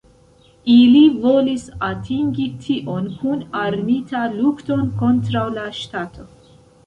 Ili volis atingi tion kun armita lukton kontraŭ la ŝtato.